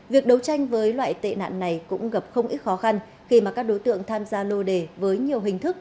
việc đấu tranh với loại tệ nạn này cũng gặp không ít khó khăn khi mà các đối tượng tham gia lô đề với nhiều hình thức